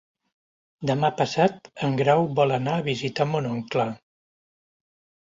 Demà passat en Grau vol anar a visitar mon oncle.